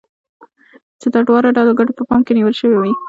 چې د دواړو ډلو ګټه په پام کې نيول شوې وي.